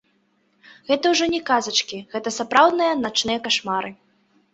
Гэта ўжо не казачкі, гэта сапраўдныя начныя кашмары!